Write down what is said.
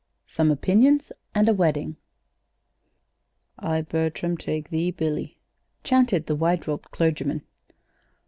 SOME OPINIONS AND A WEDDING "I, Bertram, take thee, Billy," chanted the white robed clergyman.